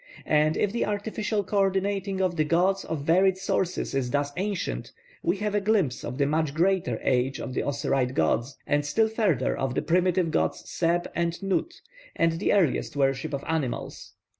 And if the artificial co ordinating of the gods of varied sources is thus ancient, we have a glimpse of the much greater age of the Osiride gods, and still further of the primitive gods Seb and Nut, and the earliest worship of animals.